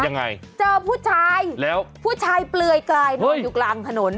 ยังไงแล้วเจอผู้ชายผู้ชายเปลือยกลายโดมอยู่กลางถนน